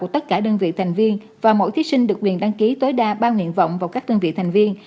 tất cả đơn vị thành viên và mỗi thí sinh được quyền đăng ký tối đa ba nguyện vọng vào các đơn vị thành viên